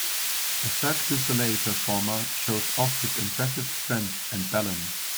A Cirque de Solei performer shows off his impressive strength and balance.